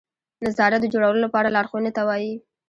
نظارت د جوړولو لپاره لارښوونې ته وایي.